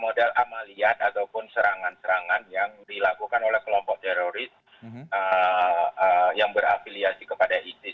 model amaliat ataupun serangan serangan yang dilakukan oleh kelompok teroris yang berafiliasi kepada isis